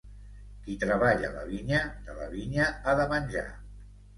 Qui treballa la vinya, de la vinya ha de menjar.